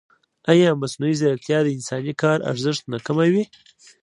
ایا مصنوعي ځیرکتیا د انساني کار ارزښت نه کموي؟